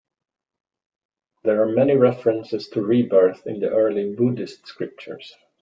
There are many references to rebirth in the early Buddhist scriptures.